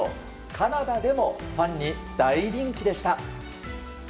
カナダでもファンに大人気でした。